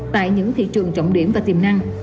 tại những thị trường trọng điểm và tiềm năng